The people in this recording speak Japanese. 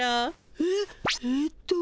えっえと。